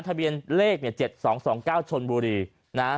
ทะเบียนเลขเนี่ย๗๒๒๙ชนบุรีนะฮะ